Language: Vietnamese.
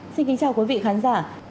xin kính chào quý vị khán giả